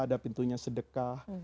ada pintunya sedekah